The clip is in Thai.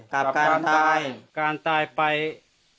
ข้าพเจ้านางสาวสุภัณฑ์หลาโภ